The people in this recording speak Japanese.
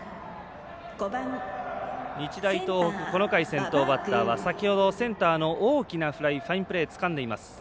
日大東北この回、先頭バッターは先ほど、センターの大きなフライファインプレーつかんでいます。